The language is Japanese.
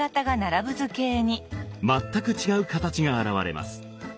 全く違う形が現れます。